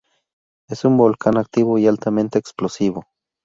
Es un volcán activo y altamente explosivo.